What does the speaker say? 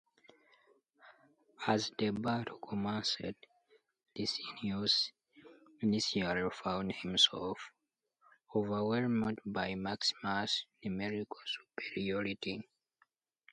As the battle commenced, Licinius initially found himself overwhelmed by Maximinus' numerical superiority.